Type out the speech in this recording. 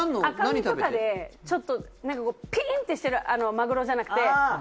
赤身とかでちょっとピンってしてるマグロじゃなくて。